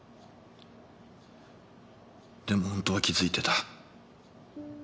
でも本当は気づいてた。